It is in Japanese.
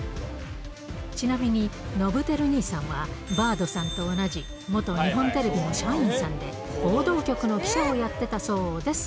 ちなみに、伸晃兄さんはバードさんと同じ、元日本テレビの社員さんで、報道局の記者をやってたそうです。